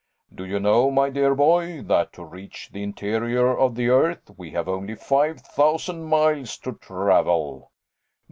Do you know, my dear boy, that to reach the interior of the earth we have only five thousand miles to travel!"